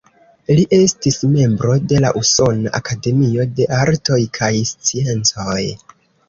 Li estis membro de la Usona Akademio de Artoj kaj Sciencoj.